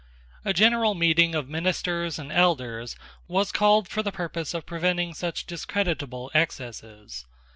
A general meeting of ministers and elders was called for the purpose of preventing such discreditable excesses.